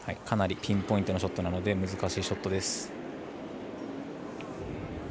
かなりピンポイントなので難しいショットです。